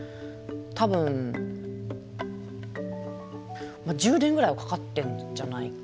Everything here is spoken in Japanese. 多分１０年ぐらいはかかってるんじゃないかな。